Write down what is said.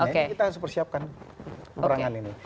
kita harus persiapkan perangan ini